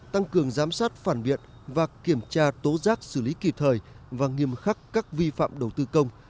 tăng cường giám sát phản biện và kiểm tra tố giác xử lý kịp thời và nghiêm khắc các vi phạm đầu tư công